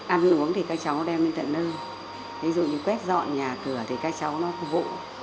ăn uống thì các cháu đem đến tận nơi ví dụ như quét dọn nhà cửa thì các cháu nó phục vụ